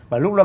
và lúc đó